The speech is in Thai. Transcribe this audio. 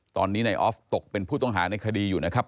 ตอนนี้นายออฟตกเป็นผู้ต้องหาในคดีอยู่นะครับ